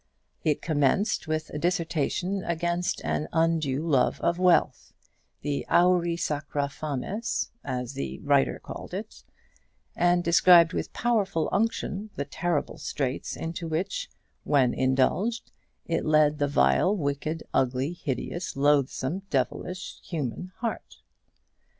It commenced with a dissertation against an undue love of wealth, the auri sacra fames, as the writer called it; and described with powerful unction the terrible straits into which, when indulged, it led the vile, wicked, ugly, hideous, loathsome, devilish human heart.